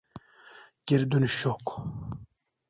Geri dönüş yok.